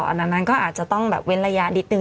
อันนั้นก็อาจจะต้องแบบเว้นระยะนิดนึ